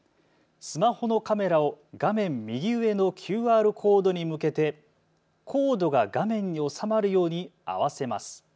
スマホのカメラを画面右上のＱＲコードに向けてコードが画面に収まるように合わせます。